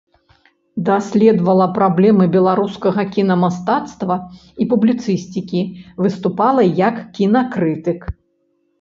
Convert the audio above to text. Даследавала праблемы беларускага кінамастацтва і публіцыстыкі, выступала як кінакрытык.